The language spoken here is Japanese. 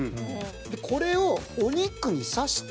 これをお肉に刺して。